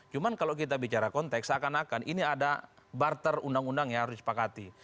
cuma kalau kita bicara konteks seakan akan ini ada barter undang undang yang harus disepakati